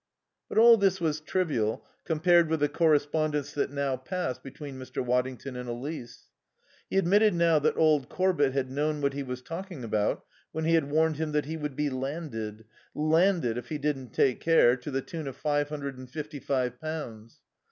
But all this was trivial compared with the correspondence that now passed between Mr. Waddington and Elise. He admitted now that old Corbett had known what he was talking about when he had warned him that he would be landed landed, if he didn't take care, to the tune of five hundred and fifty five pounds.